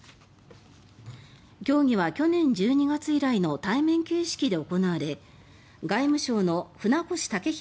協議は去年１２月以来の対面形式で行われ外務省の船越健裕